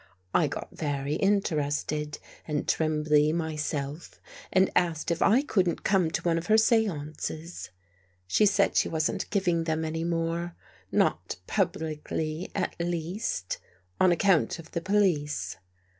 I got very interested and trembly myself and asked if I couldn't come to one of her seances. She said she wasn't giving them any more — not publicly, at least — on account of the police.